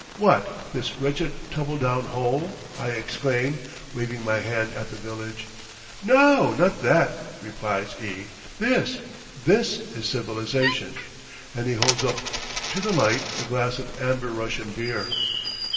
"What, this wretched tumble down hole." I exclaim, waving my hand at the village. "No, not that," replies E ; "this this is civilization," and he holds up to the light a glass of amber Russian beer.